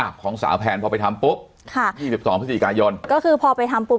ของสาวแพนพอไปทำปุ๊บค่ะยี่สิบสองพฤศจิกายนก็คือพอไปทำปุ๊